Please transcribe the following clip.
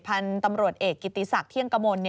พันธุ์ตำรวจเอกกิติศักดิ์เที่ยงกมล